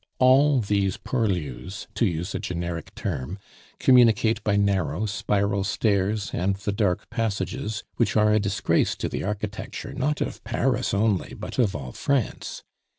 All these purlieus, to use a generic term, communicate by narrow spiral stairs and the dark passages, which are a disgrace to the architecture not of Paris only, but of all France.